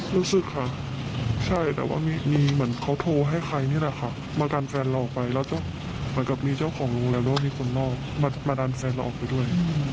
รู้สึกค่ะใช่แต่ว่ามีเหมือนเขาโทรให้ใครนี่แหละค่ะมากันแฟนเราไปแล้วก็เหมือนกับมีเจ้าของโรงแรมแล้วก็มีคนนอกมาดันแฟนเราออกไปด้วย